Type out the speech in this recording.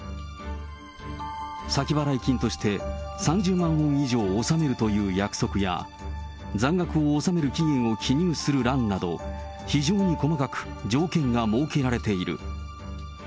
先払い金として、３０万ウォン以上を納めるという約束や、残額を納める期限を記入する欄など、非常に細かく条件が設けられている。